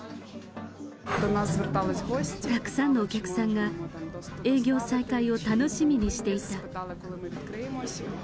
たくさんのお客さんが、営業再開を楽しみにしていた。